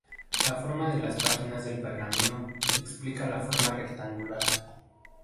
La forma de las páginas del pergamino explica la forma rectangular.